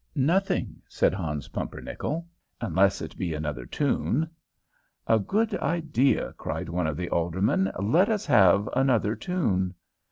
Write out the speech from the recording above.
"Nothing," said Hans Pumpernickel, "unless it be another tune." "A good idea," cried one of the aldermen. "Let us have another tune."